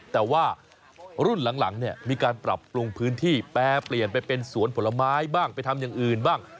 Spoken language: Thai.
แต่ว่ารุ่นหลังเนี่ยมีการปรับปรุงพื้นที่แปรเปลี่ยนไปเป็นสวนผลไม้บ้างไปทำอย่างอื่นบ้าง